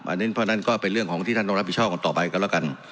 เพราะฉะนั้นก็เป็นเรื่องของที่ท่านต้องรับผิดชอบกันต่อไปกันแล้วกัน